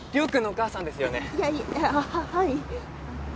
はい。